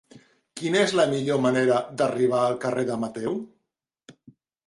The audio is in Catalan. Quina és la millor manera d'arribar al carrer de Mateu?